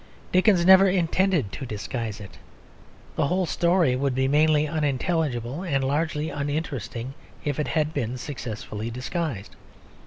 Dickens never intended to disguise it; the whole story would be mainly unintelligible and largely uninteresting if it had been successfully disguised.